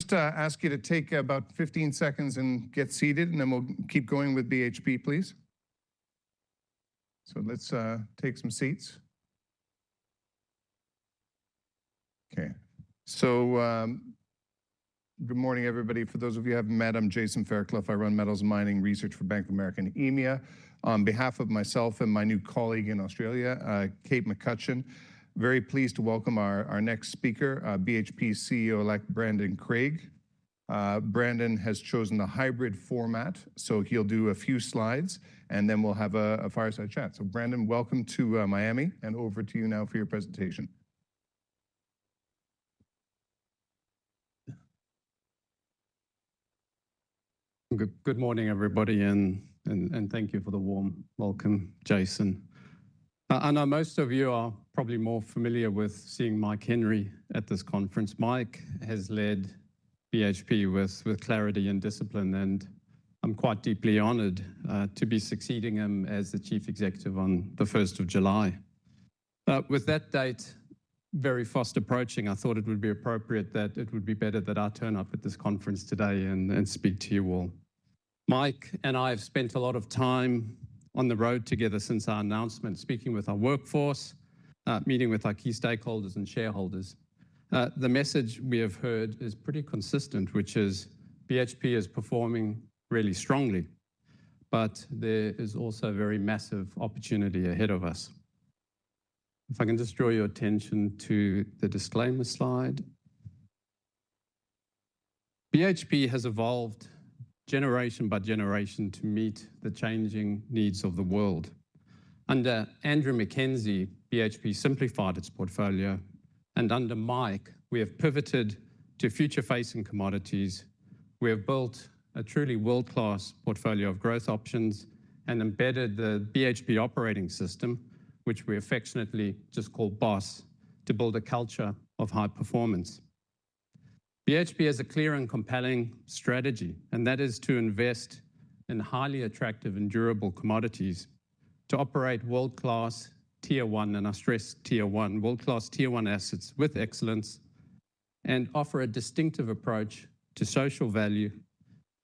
Just ask you to take about 15 seconds and get seated, and then we'll keep going with BHP, please. Let's take some seats. Okay. Good morning, everybody. For those of you I haven't met, I'm Jason Fairclough. I run Metals and Mining Research for Bank of America in EMEA. On behalf of myself and my new colleague in Australia, Kate McCutcheon, very pleased to welcome our next speaker, BHP CEO-elect Brandon Craig. Brandon has chosen a hybrid format, so he'll do a few slides, and then we'll have a fireside chat. Brandon, welcome to Miami, and over to you now for your presentation. Good morning, everybody, thank you for the warm welcome, Jason. I know most of you are probably more familiar with seeing Mike Henry at this conference. Mike has led BHP with clarity and discipline, I'm quite deeply honored to be succeeding him as the Chief Executive on the 1st of July. With that date very fast approaching, I thought it would be appropriate that it would be better that I turn up at this conference today and speak to you all. Mike and I have spent a lot of time on the road together since our announcement, speaking with our workforce, meeting with our key stakeholders and shareholders. The message we have heard is pretty consistent, which is BHP is performing really strongly, there is also very massive opportunity ahead of us. If I can just draw your attention to the disclaimer slide. BHP has evolved generation by generation to meet the changing needs of the world. Under Andrew Mackenzie, BHP simplified its portfolio, and under Mike, we have pivoted to future-facing commodities. We have built a truly world-class portfolio of growth options and embedded the BHP Operating System, which we affectionately just call BOS, to build a culture of high performance. BHP has a clear and compelling strategy, and that is to invest in highly attractive and durable commodities, to operate world-class tier one, and I stress tier one, world-class tier one assets with excellence, and offer a distinctive approach to social value,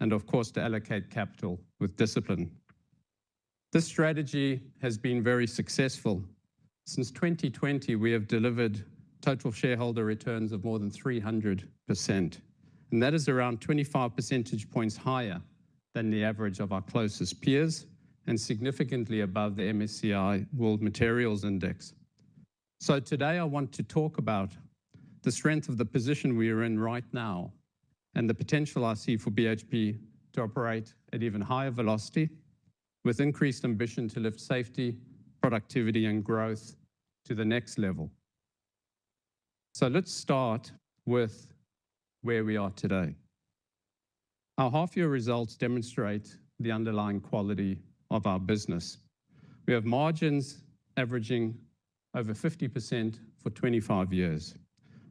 and of course, to allocate capital with discipline. This strategy has been very successful. Since 2020, we have delivered total shareholder returns of more than 300%, that is around 25 percentage points higher than the average of our closest peers and significantly above the MSCI World Materials Index. Today, I want to talk about the strength of the position we are in right now and the potential I see for BHP to operate at even higher velocity with increased ambition to lift safety, productivity, and growth to the next level. Let's start with where we are today. Our half-year results demonstrate the underlying quality of our business. We have margins averaging over 50% for 25 years.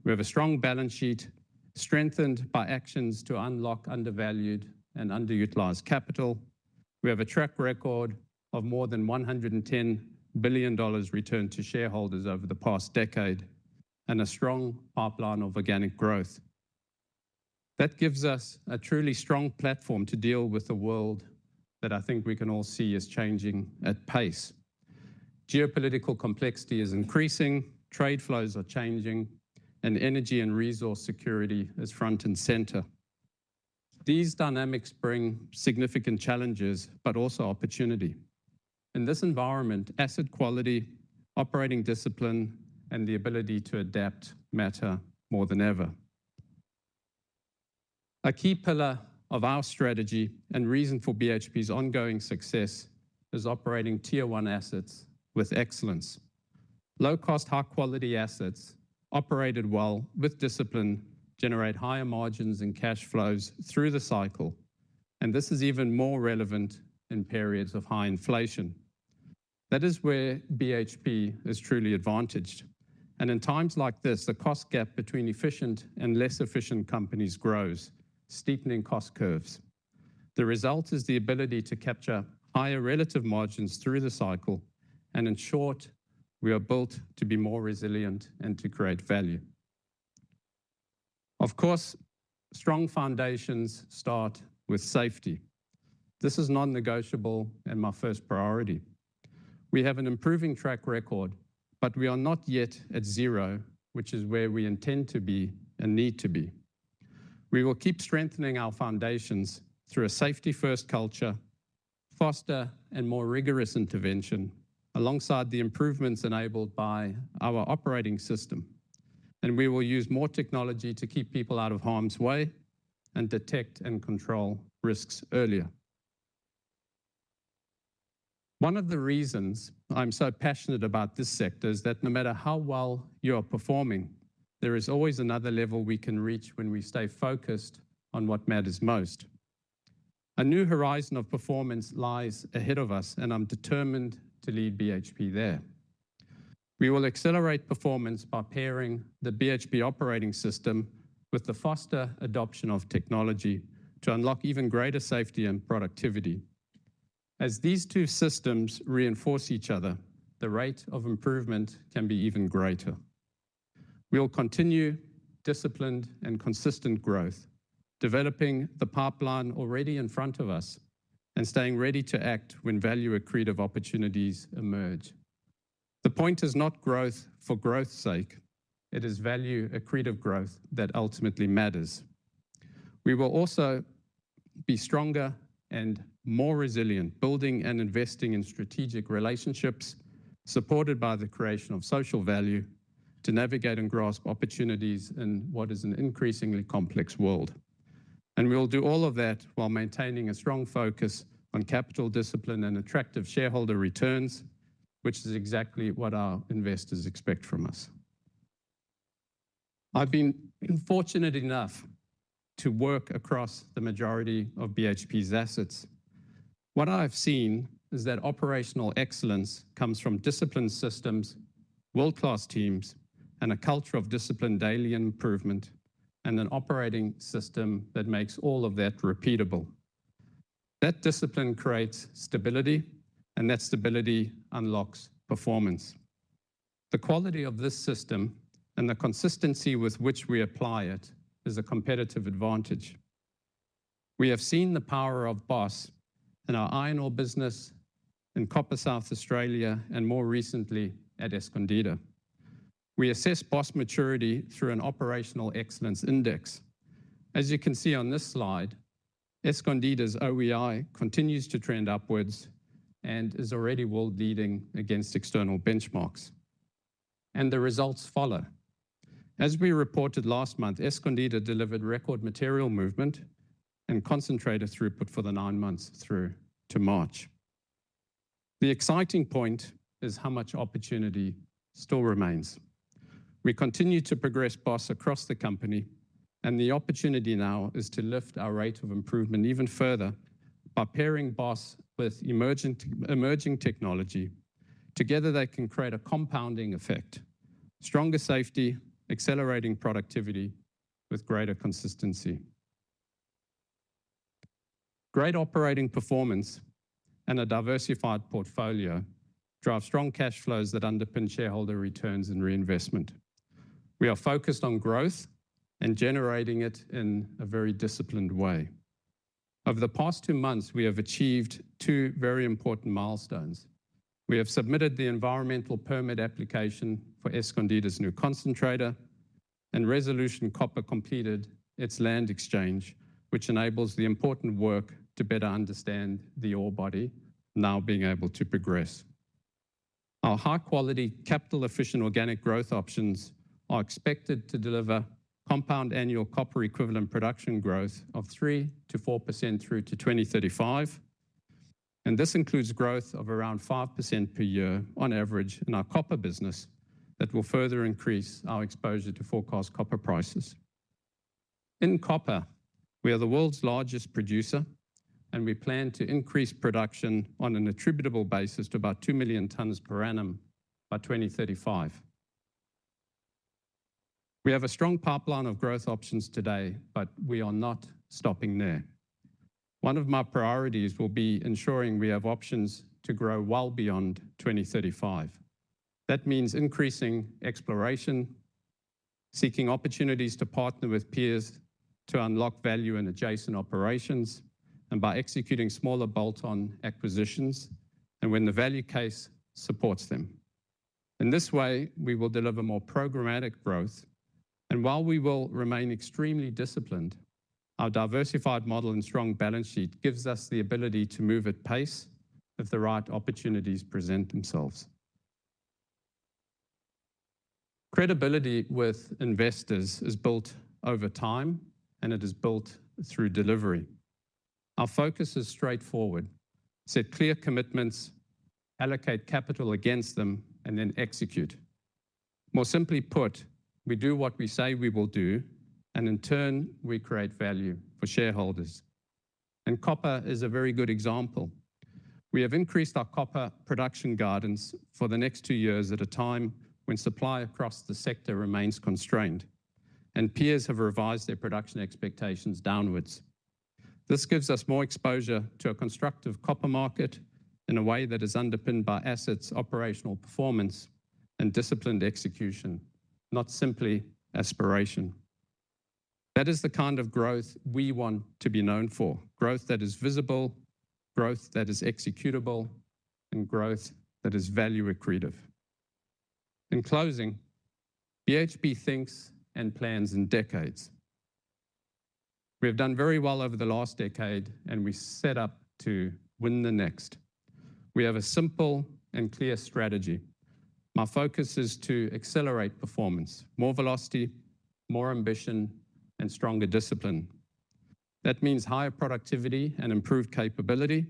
We have a strong balance sheet strengthened by actions to unlock undervalued and underutilized capital. We have a track record of more than $110 billion returned to shareholders over the past decade and a strong pipeline of organic growth. That gives us a truly strong platform to deal with the world that I think we can all see is changing at pace. Geopolitical complexity is increasing, trade flows are changing, and energy and resource security is front and center. These dynamics bring significant challenges but also opportunity. In this environment, asset quality, operating discipline, and the ability to adapt matter more than ever. A key pillar of our strategy and reason for BHP's ongoing success is operating tier one assets with excellence. Low-cost, high-quality assets operated well with discipline generate higher margins and cash flows through the cycle, and this is even more relevant in periods of high inflation. That is where BHP is truly advantaged. In times like this, the cost gap between efficient and less efficient companies grows, steepening cost curves. The result is the ability to capture higher relative margins through the cycle, and in short, we are built to be more resilient and to create value. Of course, strong foundations start with safety. This is non-negotiable and my first priority. We have an improving track record, but we are not yet at zero, which is where we intend to be and need to be. We will keep strengthening our foundations through a safety-first culture, foster and more rigorous intervention alongside the improvements enabled by our Operating System. We will use more technology to keep people out of harm's way and detect and control risks earlier. One of the reasons I'm so passionate about this sector is that no matter how well you are performing, there is always another level we can reach when we stay focused on what matters most. A new horizon of performance lies ahead of us, and I'm determined to lead BHP there. We will accelerate performance by pairing the BHP Operating System with the faster adoption of technology to unlock even greater safety and productivity. As these two systems reinforce each other, the rate of improvement can be even greater. We'll continue disciplined and consistent growth, developing the pipeline already in front of us and staying ready to act when value-accretive opportunities emerge. The point is not growth for growth's sake. It is value-accretive growth that ultimately matters. We will also be stronger and more resilient, building and investing in strategic relationships supported by the creation of social value to navigate and grasp opportunities in what is an increasingly complex world. We'll do all of that while maintaining a strong focus on capital discipline and attractive shareholder returns, which is exactly what our investors expect from us. I've been fortunate enough to work across the majority of BHP's assets. What I've seen is that operational excellence comes from disciplined systems, world-class teams, and a culture of disciplined daily improvement, and an operating system that makes all of that repeatable. That discipline creates stability, and that stability unlocks performance. The quality of this system and the consistency with which we apply it is a competitive advantage. We have seen the power of BOS in our iron ore business in Copper South Australia, and more recently at Escondida. We assess BOS maturity through an Operational Excellence Index. As you can see on this slide, Escondida's OEI continues to trend upwards and is already world-leading against external benchmarks, the results follow. As we reported last month, Escondida delivered record material movement and concentrator throughput for the nine months through to March. The exciting point is how much opportunity still remains. We continue to progress BOS across the company, the opportunity now is to lift our rate of improvement even further by pairing BOS with emerging technology. Together, they can create a compounding effect, stronger safety, accelerating productivity with greater consistency. Great operating performance and a diversified portfolio drive strong cash flows that underpin shareholder returns and reinvestment. We are focused on growth and generating it in a very disciplined way. Over the past two months, we have achieved two very important milestones. We have submitted the environmental permit application for Escondida's new concentrator, and Resolution Copper completed its land exchange, which enables the important work to better understand the ore body now being able to progress. Our high-quality, capital-efficient organic growth options are expected to deliver compound annual copper equivalent production growth of 3%-4% through to 2035. This includes growth of around 5% per year on average in our copper business that will further increase our exposure to forecast copper prices. In copper, we are the world's largest producer. We plan to increase production on an attributable basis to about 2 million tons per annum by 2035. We have a strong pipeline of growth options today. We are not stopping there. One of my priorities will be ensuring we have options to grow well beyond 2035. That means increasing exploration, seeking opportunities to partner with peers to unlock value in adjacent operations, and by executing smaller bolt-on acquisitions, and when the value case supports them. In this way, we will deliver more programmatic growth. While we will remain extremely disciplined, our diversified model and strong balance sheet gives us the ability to move at pace if the right opportunities present themselves. Credibility with investors is built over time, and it is built through delivery. Our focus is straightforward. Set clear commitments, allocate capital against them, and then execute. More simply put, we do what we say we will do, and in turn, we create value for shareholders. Copper is a very good example. We have increased our copper production guidance for the next two years at a time when supply across the sector remains constrained and peers have revised their production expectations downwards. This gives us more exposure to a constructive copper market in a way that is underpinned by assets, operational performance, and disciplined execution, not simply aspiration. That is the kind of growth we want to be known for, growth that is visible, growth that is executable, and growth that is value accretive. In closing, BHP thinks and plans in decades. We have done very well over the last decade, and we set up to win the next. We have a simple and clear strategy. My focus is to accelerate performance, more velocity, more ambition, and stronger discipline. That means higher productivity and improved capability.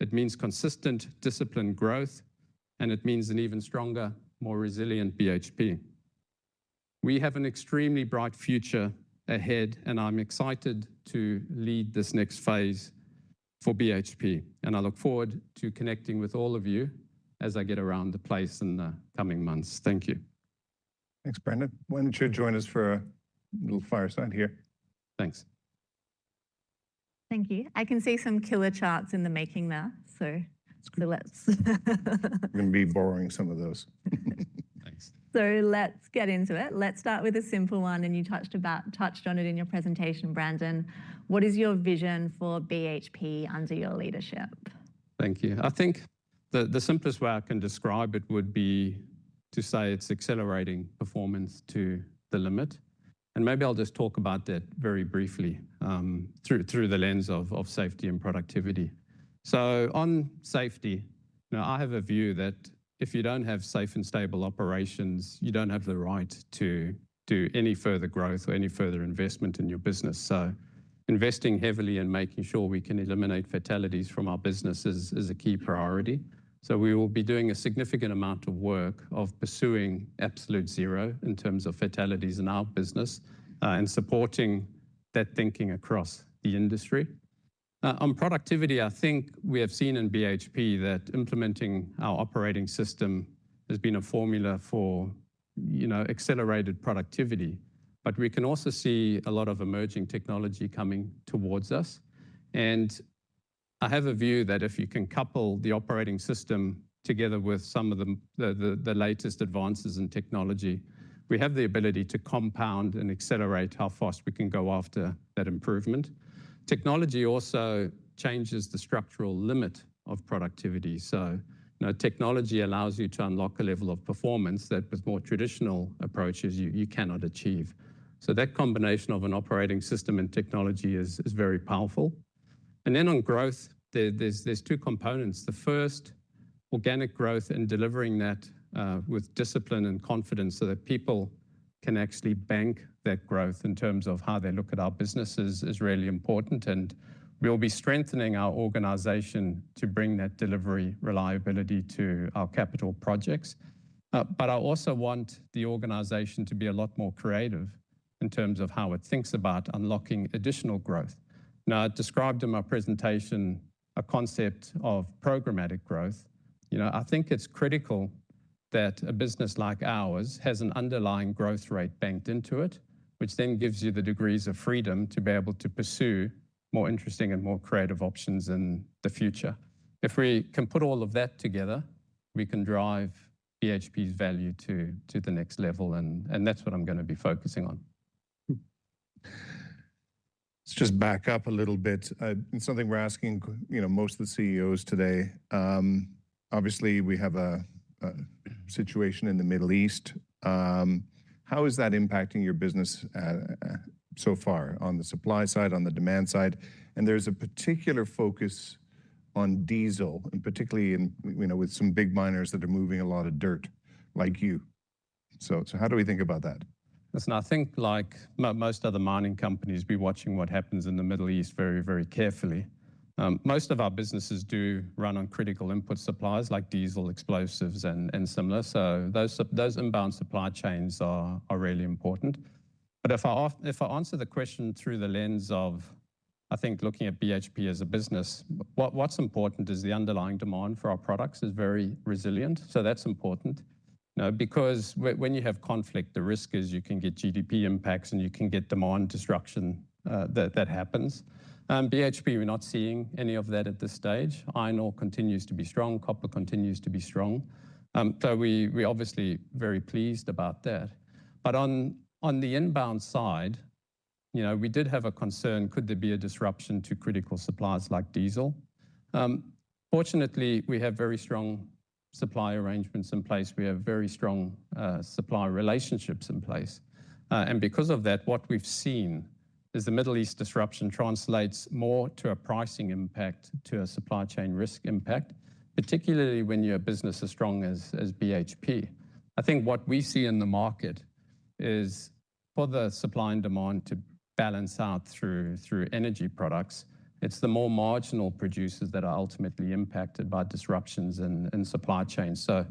It means consistent, disciplined growth, and it means an even stronger, more resilient BHP. We have an extremely bright future ahead, and I'm excited to lead this next phase for BHP. I look forward to connecting with all of you as I get around the place in the coming months. Thank you. Thanks, Brandon. Why don't you join us for a little fireside here? Thanks. Thank you. I can see some killer charts in the making there. That's good. Let's. I'm gonna be borrowing some of those. Thanks. Let's get into it. Let's start with a simple one. You touched on it in your presentation, Brandon. What is your vision for BHP under your leadership? Thank you. I think the simplest way I can describe it would be to say it's accelerating performance to the limit. Maybe I'll just talk about that very briefly, through the lens of safety and productivity. On safety, you know, I have a view that if you don't have safe and stable operations, you don't have the right to do any further growth or any further investment in your business. Investing heavily in making sure we can eliminate fatalities from our business is a key priority. We will be doing a significant amount of work of pursuing absolute zero in terms of fatalities in our business, and supporting that thinking across the industry. On productivity, I think we have seen in BHP that implementing our Operating System has been a formula for, you know, accelerated productivity. We can also see a lot of emerging technology coming towards us. I have a view that if you can couple the Operating System together with some of the latest advances in technology, we have the ability to compound and accelerate how fast we can go after that improvement. Technology also changes the structural limit of productivity. You know, technology allows you to unlock a level of performance that with more traditional approaches you cannot achieve. That combination of an Operating System and technology is very powerful. On growth, there's two components. The first, organic growth and delivering that with discipline and confidence so that people can actually bank that growth in terms of how they look at our business is really important. We'll be strengthening our organization to bring that delivery reliability to our capital projects. I also want the organization to be a lot more creative in terms of how it thinks about unlocking additional growth. Now, I described in my presentation a concept of programmatic growth. You know, I think it's critical that a business like ours has an underlying growth rate banked into it, which then gives you the degrees of freedom to be able to pursue more interesting and more creative options in the future. If we can put all of that together, we can drive BHP's value to the next level, and that's what I'm gonna be focusing on. Let's just back up a little bit. Something we're asking, you know, most of the CEOs today. Obviously, we have a situation in the Middle East. How is that impacting your business, so far on the supply side, on the demand side? There's a particular focus on diesel, and particularly in, you know, with some big miners that are moving a lot of dirt, like you. How do we think about that? Listen, I think like most other mining companies, be watching what happens in the Middle East very, very carefully. Most of our businesses do run on critical input supplies like diesel, explosives, and similar. Those inbound supply chains are really important. If I answer the question through the lens of, I think, looking at BHP as a business, what's important is the underlying demand for our products is very resilient. That's important. You know, because when you have conflict, the risk is you can get GDP impacts, and you can get demand destruction that happens. BHP, we're not seeing any of that at this stage. Iron ore continues to be strong. Copper continues to be strong. We're obviously very pleased about that. On the inbound side, you know, we did have a concern, could there be a disruption to critical supplies like diesel? Fortunately, we have very strong supply arrangements in place. We have very strong supply relationships in place. Because of that, what we've seen is the Middle East disruption translates more to a pricing impact to a supply chain risk impact, particularly when you're a business as strong as BHP. I think what we see in the market is for the supply and demand to balance out through energy products, it's the more marginal producers that are ultimately impacted by disruptions in supply chains. For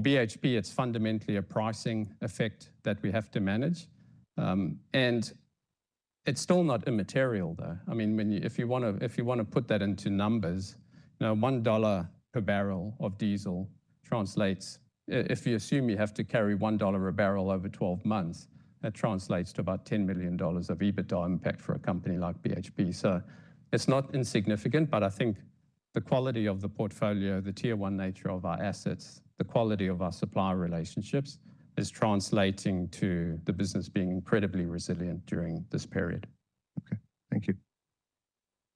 BHP, it's fundamentally a pricing effect that we have to manage. It's still not immaterial though. I mean, when if you wanna put that into numbers, you know, $1 per barrel of diesel translates if you assume you have to carry $1 a barrel over 12 months, that translates to about $10 million of EBITDA impact for a company like BHP. It's not insignificant, but I think the quality of the portfolio, the tier one nature of our assets, the quality of our supplier relationships, is translating to the business being incredibly resilient during this period. Okay. Thank you.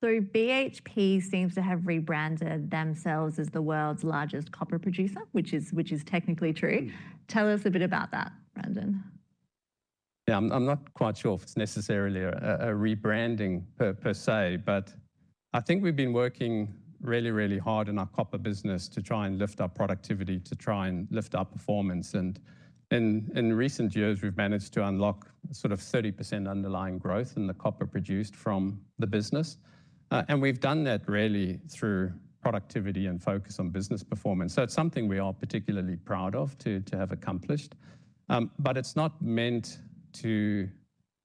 BHP seems to have rebranded themselves as the world's largest copper producer, which is technically true. Tell us a bit about that, Brandon. Yeah. I'm not quite sure if it's necessarily a rebranding per se, I think we've been working really, really hard in our copper business to try and lift our productivity, to try and lift our performance. In recent years, we've managed to unlock sort of 30% underlying growth in the copper produced from the business. We've done that really through productivity and focus on business performance. It's something we are particularly proud of to have accomplished. It's not meant to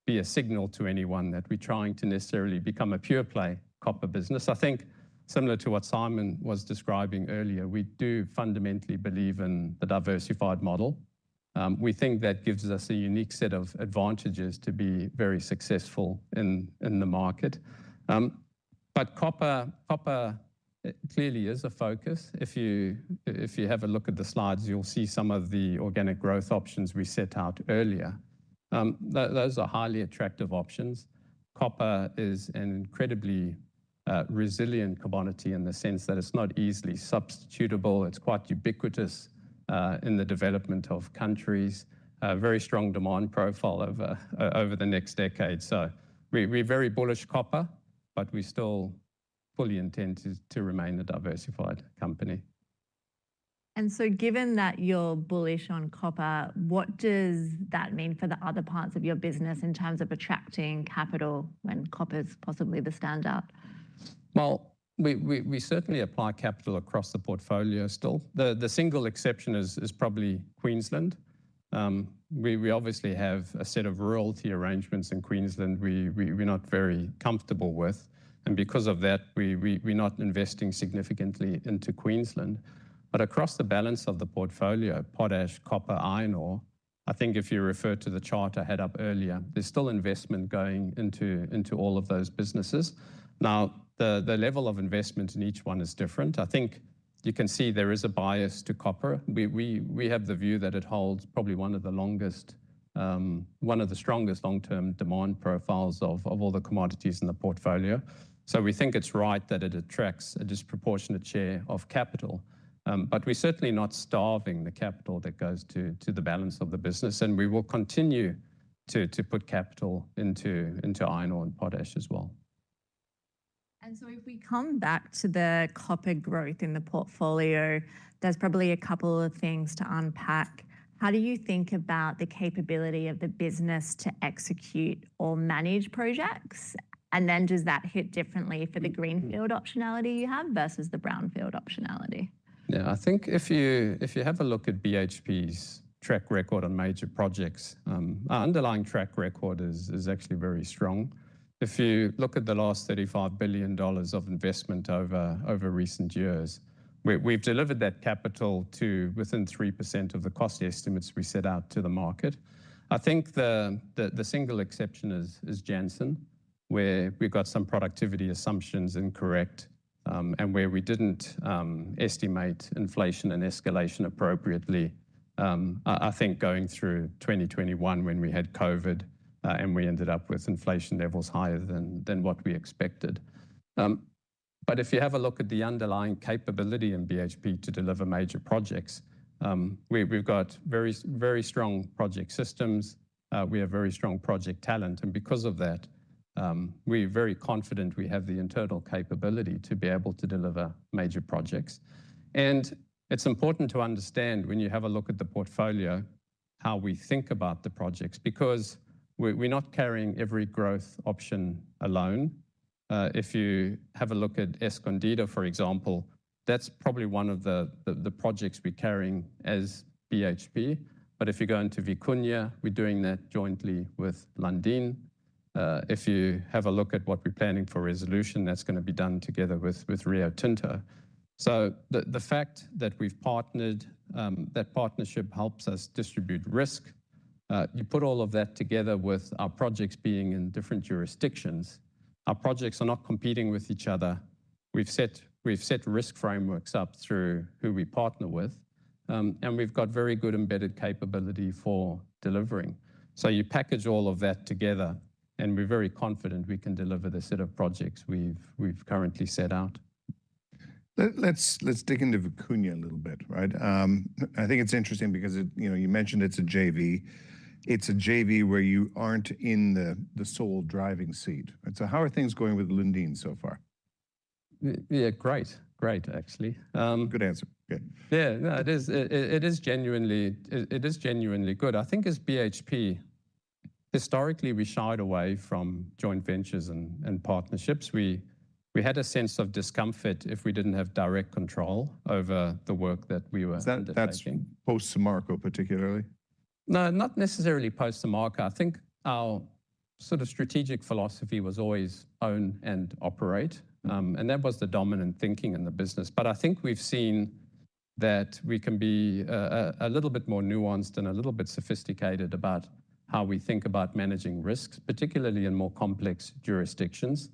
be a signal to anyone that we're trying to necessarily become a pure play copper business. I think similar to what Simon was describing earlier, we do fundamentally believe in the diversified model. We think that gives us a unique set of advantages to be very successful in the market. Copper clearly is a focus. If you have a look at the slides, you'll see some of the organic growth options we set out earlier. Those are highly attractive options. Copper is an incredibly resilient commodity in the sense that it's not easily substitutable. It's quite ubiquitous in the development of countries. A very strong demand profile over the next decade. We're very bullish copper, but we still fully intend to remain a diversified company. Given that you're bullish on copper, what does that mean for the other parts of your business in terms of attracting capital when copper's possibly the standout? We certainly apply capital across the portfolio still. The single exception is probably Queensland. We obviously have a set of royalty arrangements in Queensland we're not very comfortable with. Because of that, we're not investing significantly into Queensland. Across the balance of the portfolio, potash, copper, iron ore, I think if you refer to the chart I had up earlier, there's still investment going into all of those businesses. The level of investment in each one is different. I think you can see there is a bias to copper. We have the view that it holds probably one of the longest, one of the strongest long-term demand profiles of all the commodities in the portfolio. We think it's right that it attracts a disproportionate share of capital. We're certainly not starving the capital that goes to the balance of the business, and we will continue to put capital into iron ore and potash as well. If we come back to the copper growth in the portfolio, there's probably a couple of things to unpack. How do you think about the capability of the business to execute or manage projects? Does that hit differently for the greenfield optionality you have versus the brownfield optionality? I think if you, if you have a look at BHP's track record on major projects, our underlying track record is actually very strong. If you look at the last $35 billion of investment over recent years, we've delivered that capital to within 3% of the cost estimates we set out to the market. I think the single exception is Jansen, where we got some productivity assumptions incorrect, and where we didn't estimate inflation and escalation appropriately. I think going through 2021 when we had COVID, and we ended up with inflation levels higher than what we expected. If you have a look at the underlying capability in BHP to deliver major projects, we've got very strong project systems. We have very strong project talent, and because of that, we're very confident we have the internal capability to be able to deliver major projects. It's important to understand when you have a look at the portfolio, how we think about the projects, because we're not carrying every growth option alone. If you have a look at Escondida, for example, that's probably one of the projects we're carrying as BHP. If you go into Vicuña, we're doing that jointly with Lundin. If you have a look at what we're planning for Resolution, that's gonna be done together with Rio Tinto. The fact that we've partnered, that partnership helps us distribute risk. You put all of that together with our projects being in different jurisdictions. Our projects are not competing with each other. We've set risk frameworks up through who we partner with, we've got very good embedded capability for delivering. You package all of that together, we're very confident we can deliver the set of projects we've currently set out. Let's dig into Vicuña a little bit, right? I think it's interesting because it, you know, you mentioned it's a JV. It's a JV where you aren't in the sole driving seat. How are things going with Lundin so far? Yeah, great. Great, actually. Good answer. Good. Yeah. No, it is genuinely good. I think as BHP, historically, we shied away from joint ventures and partnerships. We had a sense of discomfort if we didn't have direct control over the work that we were undertaking. That's post Samarco particularly? No, not necessarily post Samarco. I think our sort of strategic philosophy was always own and operate. That was the dominant thinking in the business. I think we've seen that we can be a little bit more nuanced and a little bit sophisticated about how we think about managing risks, particularly in more complex jurisdictions.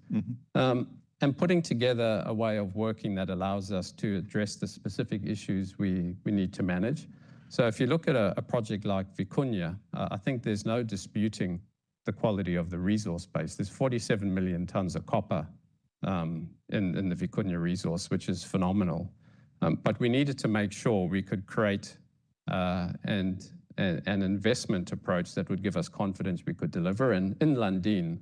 Putting together a way of working that allows us to address the specific issues we need to manage. If you look at a project like Vicuña, I think there's no disputing the quality of the resource base. There's 47 million tons of copper in the Vicuña resource, which is phenomenal. We needed to make sure we could create an investment approach that would give us confidence we could deliver. In Lundin,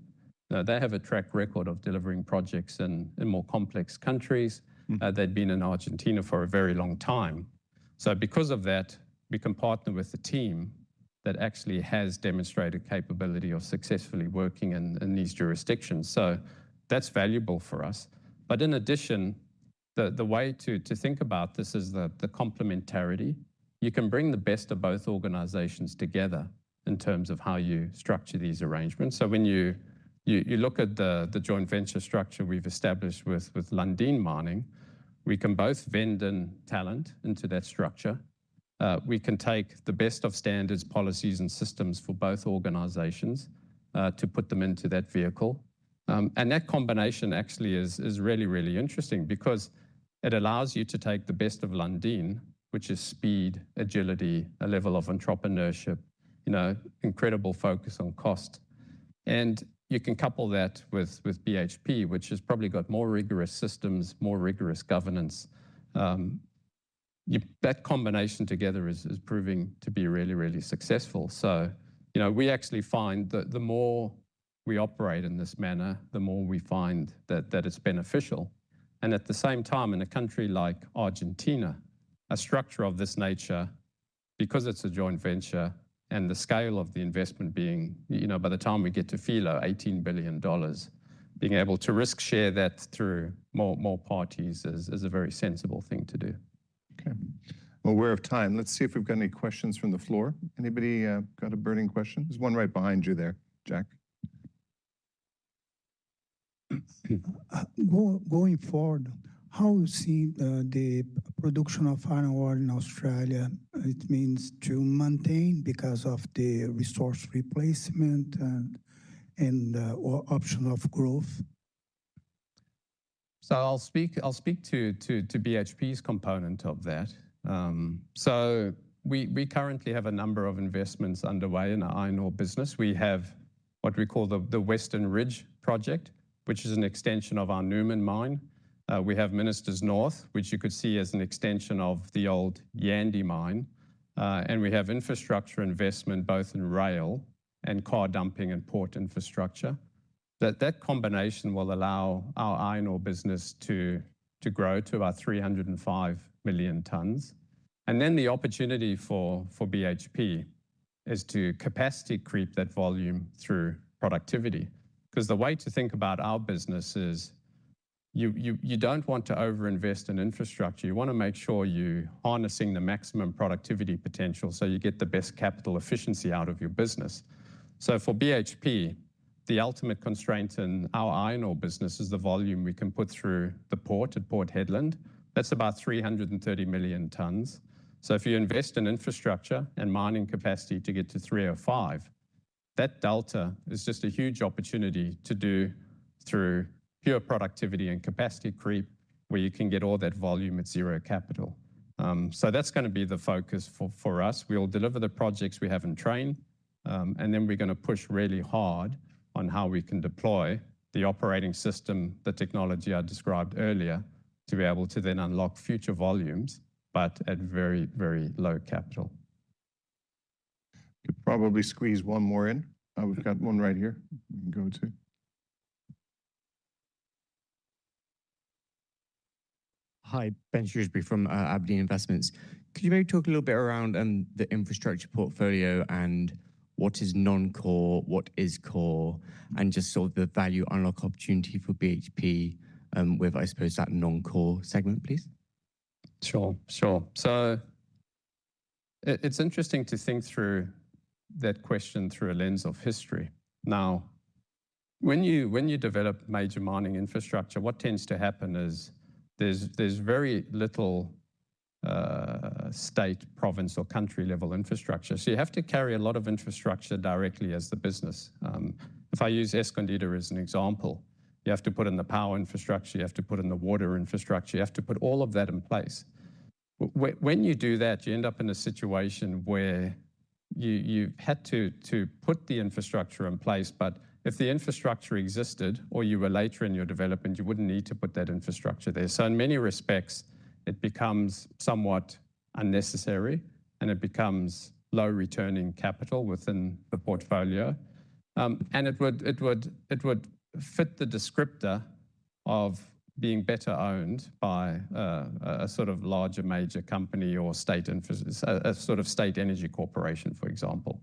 they have a track record of delivering projects in more complex countries. They'd been in Argentina for a very long time. Because of that, we can partner with a team that actually has demonstrated capability of successfully working in these jurisdictions. That's valuable for us. In addition, the way to think about this is the complementarity. You can bring the best of both organizations together in terms of how you structure these arrangements. When you look at the joint venture structure we've established with Lundin Mining, we can both vend in talent into that structure. We can take the best of standards, policies, and systems for both organizations to put them into that vehicle. And that combination actually is really interesting because it allows you to take the best of Lundin, which is speed, agility, a level of entrepreneurship, you know, incredible focus on cost. You can couple that with BHP, which has probably got more rigorous systems, more rigorous governance. That combination together is proving to be really successful. You know, we actually find the more we operate in this manner, the more we find that it's beneficial. At the same time, in a country like Argentina, a structure of this nature, because it's a joint venture and the scale of the investment being, you know, by the time we get to Filo, $18 billion, being able to risk share that through more parties is a very sensible thing to do. Okay. I'm aware of time. Let's see if we've got any questions from the floor. Anybody got a burning question? There's one right behind you there, Jack. Going forward, how you see the production of iron ore in Australia? It means to maintain because of the resource replacement and or option of growth. I'll speak to BHP's component of that. We currently have a number of investments underway in our iron ore business. We have what we call the Western Ridge project, which is an extension of our Newman mine. We have Ministers North, which you could see as an extension of the old Yandi mine. We have infrastructure investment both in rail and car dumping and port infrastructure. That combination will allow our iron ore business to grow to about 305 million tons. The opportunity for BHP is to capacity creep that volume through productivity. Cause the way to think about our business is you don't want to over-invest in infrastructure. You wanna make sure you're harnessing the maximum productivity potential, so you get the best capital efficiency out of your business. For BHP, the ultimate constraint in our iron ore business is the volume we can put through the port at Port Hedland. That's about 330 million tons. If you invest in infrastructure and mining capacity to get to 305, that delta is just a huge opportunity to do through pure productivity and capacity creep, where you can get all that volume at zero capital. That's gonna be the focus for us. We'll deliver the projects we have in train, and then we're gonna push really hard on how we can deploy the Operating System, the technology I described earlier, to be able to then unlock future volumes, but at very, very low capital. Could probably squeeze one more in. We've got one right here we can go to. Hi, Ben Shrewsbury from Aberdeen Investments. Could you maybe talk a little bit around the infrastructure portfolio and what is non-core, what is core, and just sort of the value unlock opportunity for BHP with, I suppose, that non-core segment, please? Sure. Sure. It's interesting to think through that question through a lens of history. When you develop major mining infrastructure, what tends to happen is there's very little state, province, or country-level infrastructure. You have to carry a lot of infrastructure directly as the business. If I use Escondida as an example, you have to put in the power infrastructure, you have to put in the water infrastructure, you have to put all of that in place. When you do that, you end up in a situation where you've had to put the infrastructure in place. If the infrastructure existed, or you were later in your development, you wouldn't need to put that infrastructure there. In many respects, it becomes somewhat unnecessary, and it becomes low returning capital within the portfolio. It would fit the descriptor of being better owned by a sort of larger major company or state energy corporation, for example.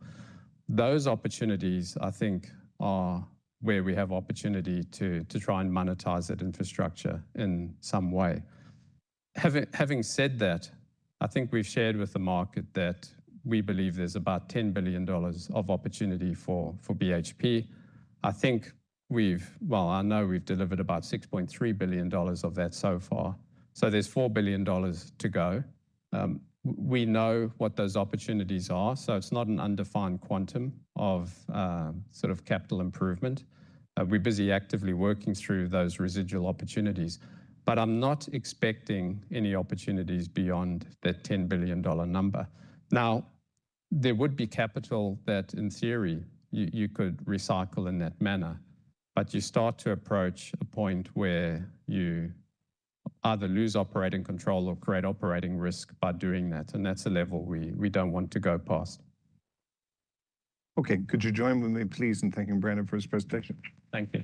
Those opportunities, I think, are where we have opportunity to try and monetize that infrastructure in some way. Having said that, I think we've shared with the market that we believe there's about $10 billion of opportunity for BHP. I know we've delivered about $6.3 billion of that so far. There's $4 billion to go. We know what those opportunities are, so it's not an undefined quantum of capital improvement. We're busy actively working through those residual opportunities. I'm not expecting any opportunities beyond that $10 billion number. There would be capital that, in theory, you could recycle in that manner. You start to approach a point where you either lose operating control or create operating risk by doing that, and that's a level we don't want to go past. Okay. Could you join with me, please, in thanking Brandon for his presentation? Thank you.